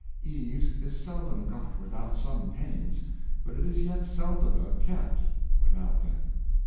Ease is seldom got without some pains, but it is yet seldomer kept without them.